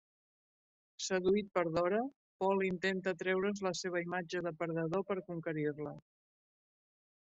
Seduït per Dora, Paul intenta treure's la seva imatge de perdedor per conquerir-la.